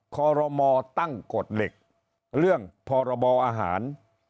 คอรมอตั้งกฎเหล็กเรื่องพรบอาหาร